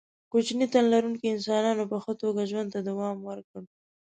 کوچني تن لرونکو انسانانو په ښه توګه ژوند ته دوام ورکړ.